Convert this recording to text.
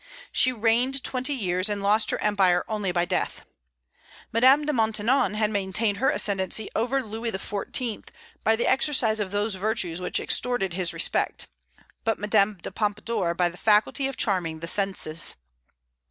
She reigned twenty years, and lost her empire only by death. Madame de Maintenon had maintained her ascendency over Louis XIV. by the exercise of those virtues which extorted his respect, but Madame de Pompadour by the faculty of charming the senses.